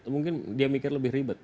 mungkin dia mikir lebih ribet